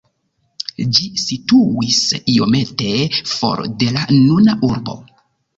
Ĝi situis iomete for de la nuna urbo.